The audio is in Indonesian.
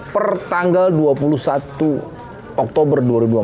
per tanggal dua puluh satu oktober dua ribu dua puluh